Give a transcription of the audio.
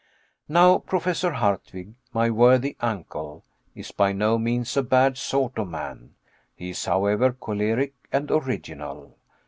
Now Professor Hardwigg, my worthy uncle, is by no means a bad sort of man; he is, however, choleric and original.